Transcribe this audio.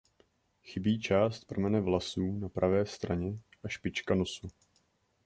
Chybí část pramene vlasů na pravé straně a špička nosu.